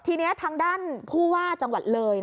ทีนี้ทางด้านผู้ว่าจังหวัดเลย